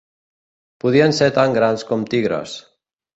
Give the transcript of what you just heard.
Podien ser tan grans com tigres.